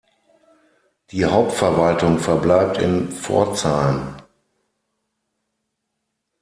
Die Hauptverwaltung verbleibt in Pforzheim.